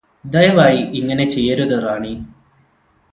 ദയവായി ഇങ്ങനെ ചെയ്യരുത് റാണി